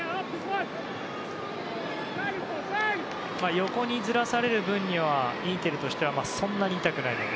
横にずらされる分にはインテルとしてはそんなに痛くないので。